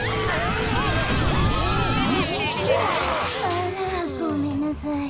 あらごめんなさい。